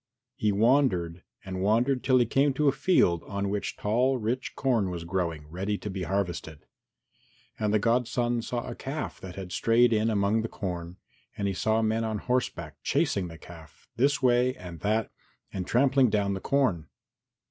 He wandered and wandered till he came to a field on which tall rich corn was growing, ready to be harvested. And the godson saw a calf that had strayed in among the corn and he saw men on horseback chasing the calf this way and that and trampling down the corn.